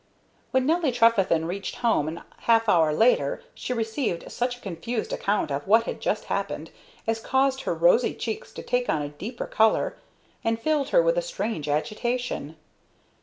When Nelly Trefethen reached home a half hour later she received such a confused account of what had just happened as caused her rosy cheeks to take on a deeper color and filled her with a strange agitation.